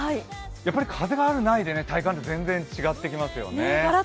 やっぱり風がある、ないで体感、全然違ってきますよね。